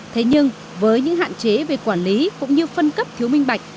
thế nhưng với những hạn chế về quản lý cũng như phân cấp thiếu minh bạch